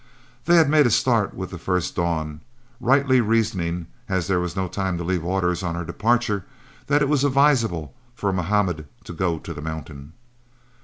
They had made a start with the first dawn, rightly reasoning, as there was no time to leave orders on our departure, that it was advisable for Mahomet to go to the mountain.